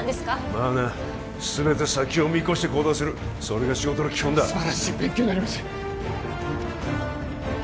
まあな全て先を見越して行動するそれが仕事の基本だ素晴らしい勉強になります